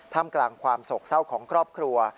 กลางกลางความโศกเศร้าของครอบครัว